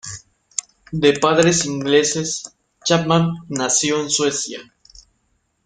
De padres ingleses, Chapman nació en Suecia.